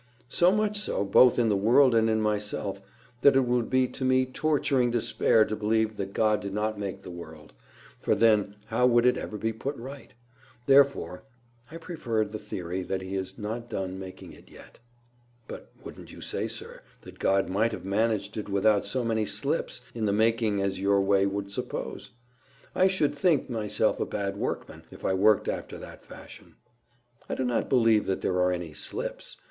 "So much so, both in the world and in myself, that it would be to me torturing despair to believe that God did not make the world; for then, how would it ever be put right? Therefore I prefer the theory that He has not done making it yet." "But wouldn't you say, sir, that God might have managed it without so many slips in the making as your way would suppose? I should think myself a bad workman if I worked after that fashion." "I do not believe that there are any slips.